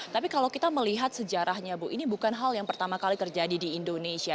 tapi kalau kita melihat sejarahnya bu ini bukan hal yang pertama kali terjadi di indonesia